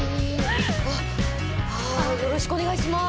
うわっよろしくお願いします。